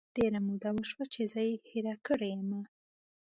ډیره موده وشوه چې زه یې هیره کړی یمه